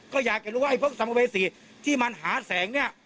ก็อยากจะรู้ว่าไอ้พวกสัมภเวษีที่มันหาแสงเนี่ย